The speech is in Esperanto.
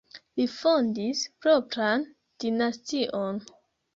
Li fondis propran dinastion.